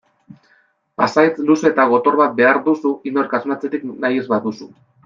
Pasahitz luze eta gotor bat behar duzu inork asmatzerik nahi ez baduzu.